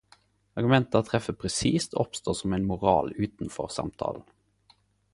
Argumenta treffer presist og oppstår som ein moral utanfor samtalen..